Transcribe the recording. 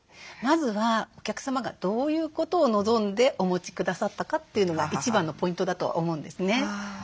まずはお客様がどういうことを望んでお持ちくださったかというのが一番のポイントだとは思うんですね。